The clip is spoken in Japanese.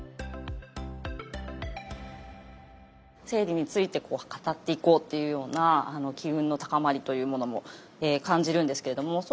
生理について語っていこうっていうような機運の高まりというものも感じるんですけれども。